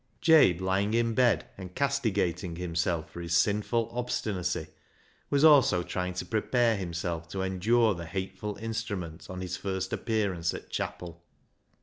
Jabe, lying in bed and castigating himself for his sinful obstinacy, was also trying to prepare himself to endure the hateful instrument on his first appearance at chapel.